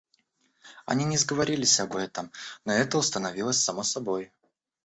Они не сговаривались об этом, но это установилось само собою.